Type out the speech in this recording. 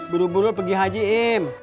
buru buru pergi hajiim